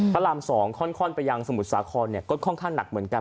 พระราม๒ค่อนไปยังสมุทรสาครก็ค่อนข้างหนักเหมือนกัน